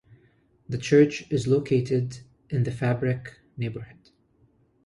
The church is located in the Fabric neighborhood.